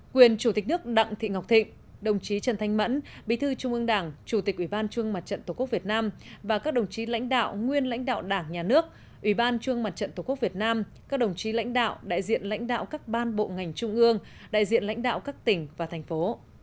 quyền chủ tịch nước đặng thị ngọc thịnh đồng chí trần thanh mẫn bí thư trung ương đảng chủ tịch ủy ban trung mặt trận tổ quốc việt nam và các đồng chí lãnh đạo nguyên lãnh đạo đảng nhà nước ủy ban trung mặt trận tổ quốc việt nam các đồng chí lãnh đạo đại diện lãnh đạo các ban bộ ngành trung ương đại diện lãnh đạo các tỉnh và thành phố